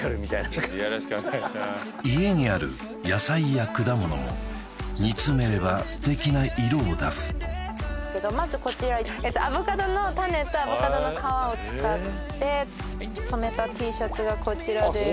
家にある野菜や果物も煮詰めればすてきな色を出すまずこちらアボカドの種とアボカドの皮を使って染めたＴシャツがこちらです